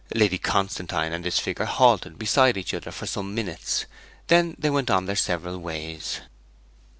Lady Constantine and this figure halted beside each other for some minutes; then they went on their several ways.